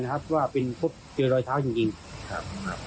และก็คือว่าถึงแม้วันนี้จะพบรอยเท้าเสียแป้งจริงไหม